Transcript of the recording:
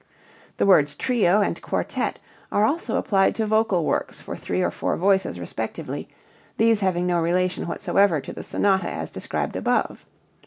The words trio and quartet are also applied to vocal works for three and four voices respectively, these having no relation whatsoever to the sonata as described above.